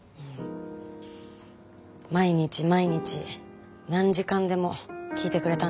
毎日毎日何時間でも聞いてくれたんですよね